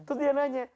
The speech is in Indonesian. terus dia nanya